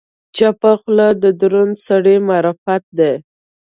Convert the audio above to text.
چپه خوله، د دروند سړي معرفت دی.